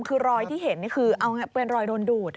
คือรอยที่เห็นนี่คือเอาเป็นรอยโดนดูด